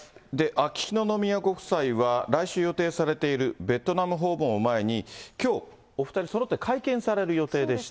秋篠宮ご夫妻は、来週予定されているベトナム訪問を前に、きょう、お２人そろって会見される予定でした。